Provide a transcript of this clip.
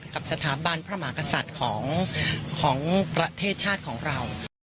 กับสถาบันพระมหากษัตริย์ของประเทศชาติของเรา